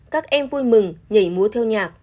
các em vui mừng nhảy múa theo nhạc